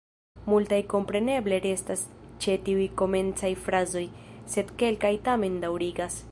Multaj kompreneble restas ĉe tiuj komencaj frazoj, sed kelkaj tamen daŭrigas.